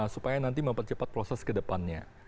supaya nanti mempercepat proses ke depannya